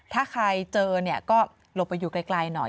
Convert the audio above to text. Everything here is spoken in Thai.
ถ้าใครเจอเนี่ยก็หลบไปอยู่ไกลหน่อย